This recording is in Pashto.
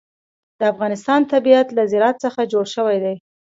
د افغانستان طبیعت له زراعت څخه جوړ شوی دی.